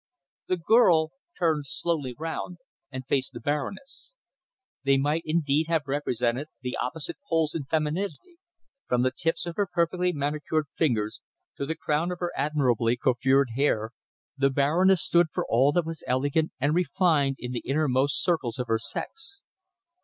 The girl turned slowly round and faced the Baroness. They might indeed have represented the opposite poles in femininity. From the tips of her perfectly manicured fingers to the crown of her admirably coiffured hair, the Baroness stood for all that was elegant and refined in the innermost circles of her sex.